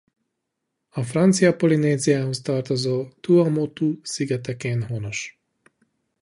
A Francia Polinéziához tartozó Tuamotu-szigetekén honos.